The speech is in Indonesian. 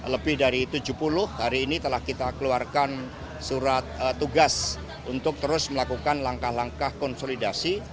lebih dari tujuh puluh hari ini telah kita keluarkan surat tugas untuk terus melakukan langkah langkah konsolidasi